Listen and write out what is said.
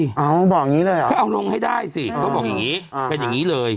เอาบอกอย่างนี้เลยเหรอก็เอาลงให้ได้สิเขาบอกอย่างนี้เป็นอย่างนี้เลย